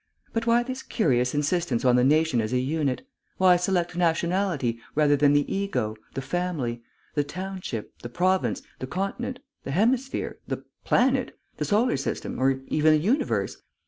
But why this curious insistence on the nation as a unit? Why select nationality, rather than the ego, the family, the township, the province, the continent, the hemisphere, the planet, the solar system, or even the universe?